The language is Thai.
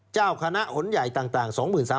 เจ้าคณะหลนใหญ่ต่าง๒๓๙๐๐